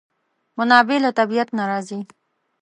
منابع له طبیعت نه راځي.